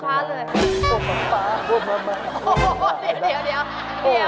เก่ามากของเว็บพวกนี้